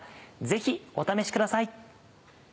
ぜひお試しください。